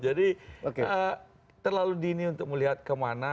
jadi terlalu dini untuk melihat kemana